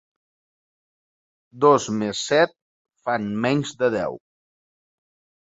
Dos més set fan menys de deu.